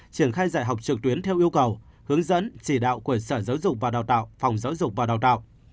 triển khai dạy học trực tuyến theo yêu cầu hướng dẫn chỉ đạo của sở giáo dục và đào tạo phòng giáo dục và đào tạo